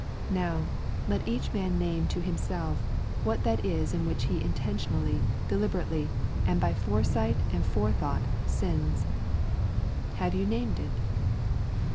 Now, let each man name to himself what that is in which he intentionally, deliberately, and by foresight and forethought sins. Have you named it?